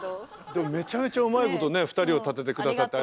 でもめちゃめちゃうまいことね２人をたてて下さって。